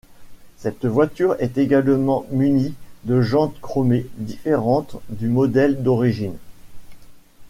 Cette voiture est également munie de jantes chromées différentes du modèle d'origine.